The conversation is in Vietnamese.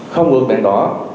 không ngược đèn đỏ